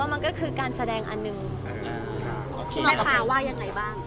แต่มันคือการแสดงอันนึง